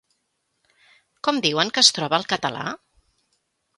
Com diuen que es troba el català?